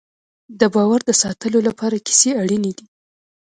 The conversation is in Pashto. د باور د ساتلو لپاره کیسې اړینې دي.